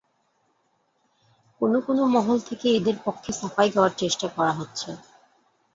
কোনো কোনো মহল থেকে এদের পক্ষে সাফাই গাওয়ার চেষ্টা করা হচ্ছে।